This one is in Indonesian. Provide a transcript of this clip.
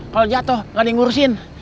kalau jatuh nggak ada yang ngurusin